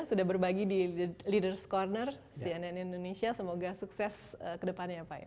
sudah berbagi di leaders corner cnn indonesia semoga sukses kedepannya ya pak ya